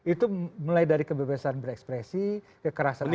itu mulai dari kebebasan berekspresi kekerasan sek